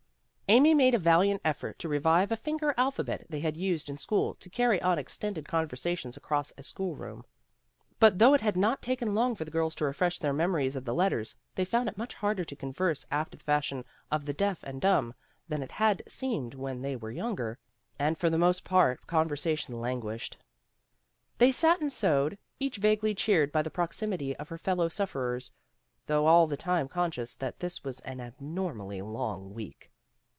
Amy made a valiant effort to revive a finger alphabet they had used in school to carry on extended conversations across a school room. But though it had not taken long for the girls to refresh their mem ories of the letters, they found it much harder work to converse after the fashion of the deaf and dumb than it had seemed when they were younger, and for the most part conversation languished. They sat and sewed, each vaguely cheered by the proximity of her fellow suffer ers, though all the time conscious that this was an abnormally long week.